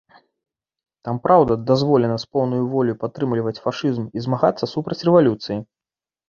Там, праўда, дазволена з поўнаю воляй падтрымліваць фашызм і змагацца супроць рэвалюцыі.